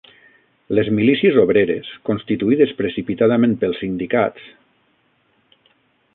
Les milícies obreres, constituïdes precipitadament pels sindicats